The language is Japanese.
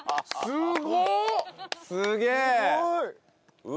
すごっ！